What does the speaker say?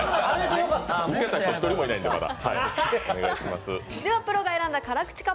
ウケた人、１人もいないんで、まだ。